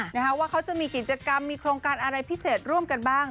นะคะว่าเขาจะมีกิจกรรมมีโครงการอะไรพิเศษร่วมกันบ้าง